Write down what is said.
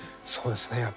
そうですね